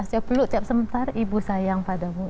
saya peluk tiap sementara ibu sayang padamu